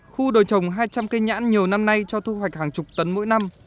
khu đồi trồng hai trăm linh cây nhãn nhiều năm nay cho thu hoạch hàng chục tấn mỗi năm